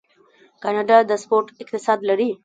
کاناډا د سپورت اقتصاد لري.